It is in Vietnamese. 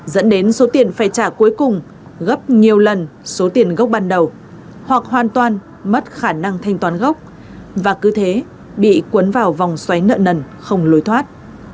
dẫn đến số tiền phải trả cuối cùng gấp nhiều lần số tiền gốc ban đầu hoặc hoàn toàn mất khả năng thanh toán gốc và cứ thế bị cuốn vào vòng xoáy nợ nần không lối thoát